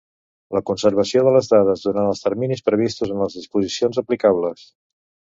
La conservació de les dades durant els terminis previstos en les disposicions aplicables.